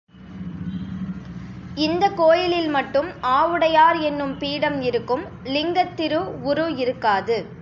இந்த கோயிலில் மட்டும் ஆவுடையார் என்னும் பீடம் இருக்கும், லிங்கத் திரு உரு இருக்காது.